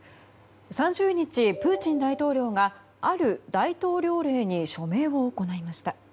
３０日、プーチン大統領がある大統領令に署名を行いました。